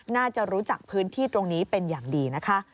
น่าจะรู้จักพื้นที่ตรงนี้เป็นอย่างดีนะคะ